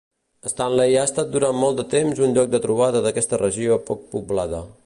Stanley ha estat durant molt de temps un lloc de trobada d'aquesta regió poc poblada.